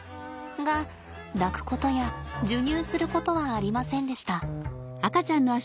が抱くことや授乳することはありませんでした。